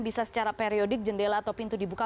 bisa secara periodik jendela atau pintu dibuka